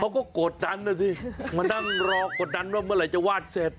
เขาก็โกรธดันนะสิมานั่งรอกดันเมื่อไหร่จะวาดเสร็จ